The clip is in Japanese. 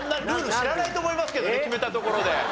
知らないと思いますけどね決めたところで。